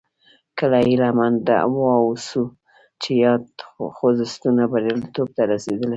کله هیله مند واوسو چې یاد خوځښتونه بریالیتوب ته رسېدلي.